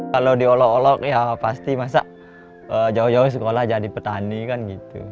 kalau diolok olok ya pasti masa jauh jauh sekolah jadi petani kan gitu